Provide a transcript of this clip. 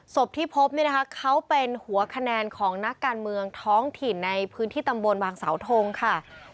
ศพที่พบเนี่ยนะคะเขาเป็นหัวคะแนนของนักการเมืองท้องถิ่นในพื้นที่ตำบลบางเสาทงค่ะ